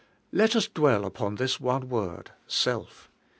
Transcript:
Let us dwell upon this one word, "self."